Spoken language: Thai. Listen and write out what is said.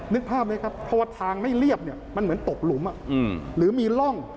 นึกภาพไหมครับเพราะว่าทางไม่เรียบเนี่ยมันเหมือนตกหลุมหรือมีร่อง